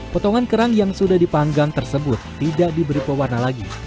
potongan kerang yang sudah dipanggang tersebut tidak diberi pewarna lagi